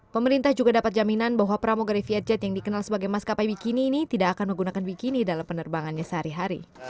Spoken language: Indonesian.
pemerintah juga dapat jaminan bahwa pramugari vietjet yang dikenal sebagai maskapai bikini ini tidak akan menggunakan bikini dalam penerbangannya sehari hari